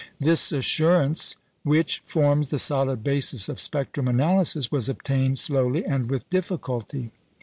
This assurance, which forms the solid basis of spectrum analysis, was obtained slowly and with difficulty.